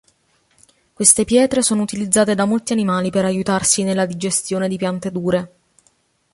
Queste pietre sono utilizzate da molti animali per aiutarsi nella digestione di piante dure.